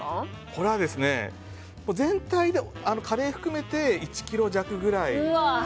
これは全体でカレー含めて１ｋｇ弱くらい。